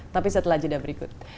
tapi setelah jeda berikut